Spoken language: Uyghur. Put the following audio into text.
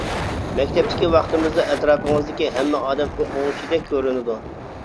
مەكتەپتىكى ۋاقتىڭىزدا ئەتراپىڭىزدىكى ھەممە ئادەم ئوقۇغۇچىدەك كۆرۈنىدۇ.